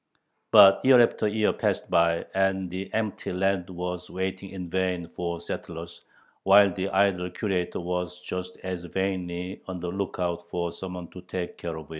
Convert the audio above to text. But year after year passed by and the empty land was waiting in vain for settlers, while the idle Curator was just as vainly on the lookout for someone to take care of.